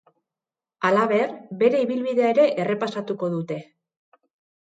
Halaber, bere ibilbidea ere errepasatuko dute.